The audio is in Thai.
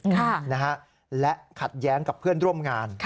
ค่ะนะฮะและขัดแย้งกับเพื่อนร่วมงาน